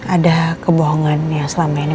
ada kebohongan yang selama ini